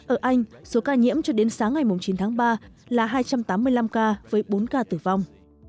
ở anh số ca nhiễm cho đến sáng ngày chín tháng ba là hai trăm tám mươi năm ca với bốn ca tử vong